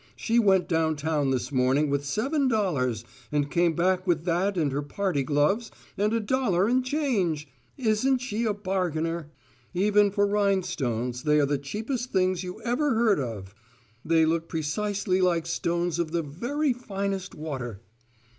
She went down town this morning with seven dollars, and came back with that and her party gloves and a dollar in change! Isn't she a bargainer? Even for rhinestones they are the cheapest things you ever heard of. They look precisely like stones of the very finest water."